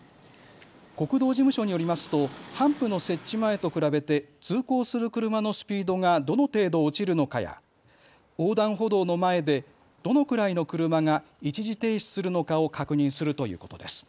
国道事務所によりますとハンプの設置前と比べて通行する車のスピードがどの程度落ちるのかや横断歩道の前でどのくらいの車が一時停止するのかを確認するということです。